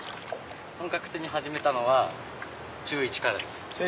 本格的に始めたのは中１からです。